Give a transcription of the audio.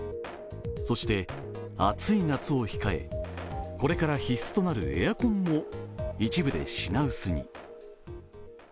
そして暑い夏を控えこれから必須となるエアコンも一部で品薄に。